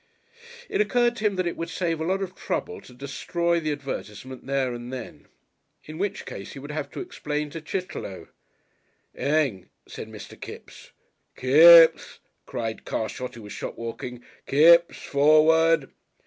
It occurred to him that it would save a lot of trouble to destroy the advertisement there and then. In which case he would have to explain to Chitterlow! "Eng!" said Mr. Kipps. "Kipps," cried Carshot, who was shopwalking; "Kipps, Forward!"